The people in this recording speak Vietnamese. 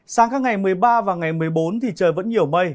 sáng các ngày một mươi ba và ngày một mươi bốn thì trời vẫn nhiều mây